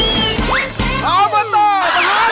อบกูล้านทรวง